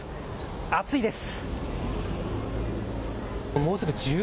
暑いです。